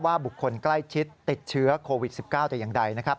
บุคคลใกล้ชิดติดเชื้อโควิด๑๙แต่อย่างใดนะครับ